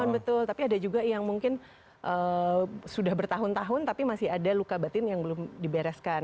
betul tapi ada juga yang mungkin sudah bertahun tahun tapi masih ada luka batin yang belum dibereskan